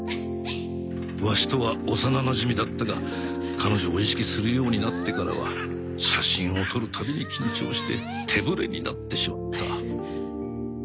ワシとは幼なじみだったが彼女を意識するようになってからは写真を撮る度に緊張して手ブレになってしまった。